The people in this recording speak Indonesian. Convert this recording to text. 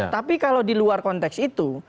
tapi kalau di luar konteks itu